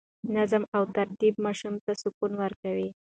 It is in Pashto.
نظم او ترتیب ماشوم ته سکون ورکوي.